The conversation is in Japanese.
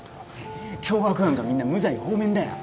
凶悪犯がみんな無罪放免だよ